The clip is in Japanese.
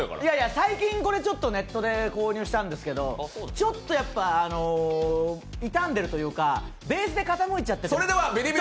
最近、これネットで購入したんですけど、ちょっと傷んでるというかベースで傾いちゃってるそれではビリビリ！